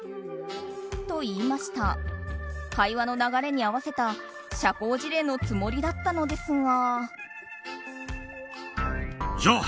会話の流れに合わせた社交辞令のつもりだったのですが。